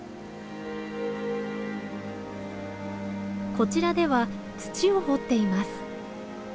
こちらでは土を掘っています。